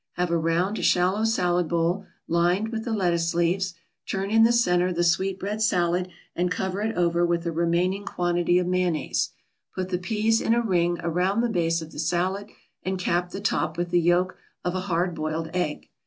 Have a round shallow salad bowl lined with the lettuce leaves, turn in the centre the sweetbread salad and cover it over with the remaining quantity of mayonnaise. Put the peas in a ring around the base of the salad, and cap the top with the yolk of a hard boiled egg.